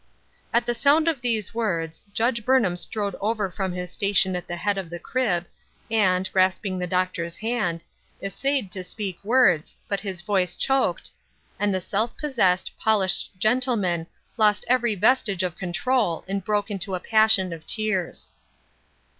At the sound of these words. Judge Burnham strode over from his station at the head of the crib, and, grasping the Doctor's hand, essayed to epeak worda, but his voice choked, and the self " The Oil of Joyr 4^ possessed, polished gentleman lost every vestige of control, and broke into a passion of tears.